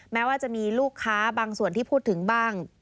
แม้ว่าจะมีลูกค้าบางส่วนที่พูดถึงบ้าง